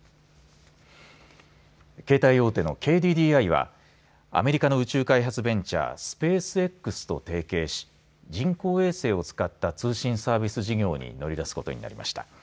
携帯大手のＫＤＤＩはアメリカの宇宙開発ベンチャースペースＸと提携し人工衛星を使った通信サービス事業に乗り出すことになりました。